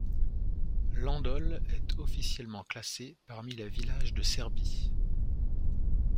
Landol est officiellement classé parmi les villages de Serbie.